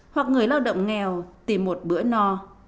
hoặc người lao động nghèo tìm một bữa no